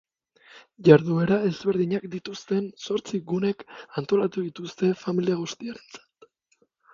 Jarduera ezberdinak dituzten zortzi gunek antolatu dituzte familia guztiarentzat.